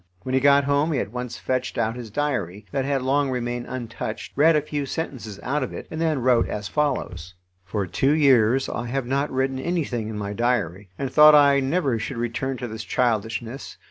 When he got home he at once fetched out his diary, that had long remained untouched, read a few sentences out of it, and then wrote as follows: "For two years I have not written anything in my diary, and thought I never should return to this childishness.